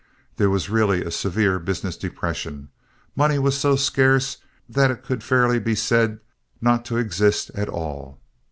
There was really a severe business depression. Money was so scarce that it could fairly be said not to exist at all.